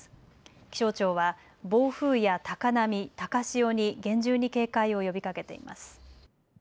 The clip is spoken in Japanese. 気象庁は暴風や高波、高潮に厳重に警戒を呼びかけています。